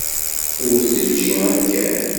Ur teǧǧi amkan.